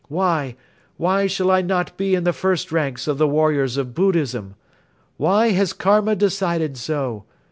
Why, why shall I not be in the first ranks of the warriors of Buddhism? Why has Karma decided so?